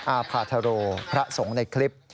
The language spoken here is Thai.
อาภาธโรพระสงฆ์ในคลิป